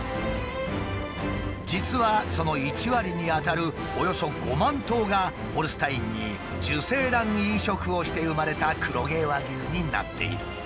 実はその１割にあたるおよそ５万頭がホルスタインに受精卵移植をして生まれた黒毛和牛になっている。